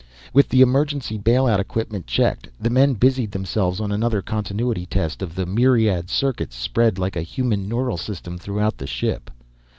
With the emergency bail out equipment checked, the men busied themselves on another continuity test of the myriad circuits spread like a human neural system throughout the ship.